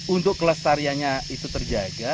untuk kelestariannya itu terjaga